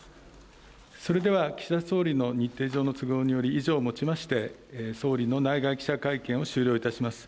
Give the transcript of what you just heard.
それでは岸田総理の日程上の都合により、以上をもちまして、総理の内外記者会見を終了いたします。